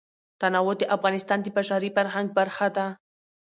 تنوع د افغانستان د بشري فرهنګ برخه ده.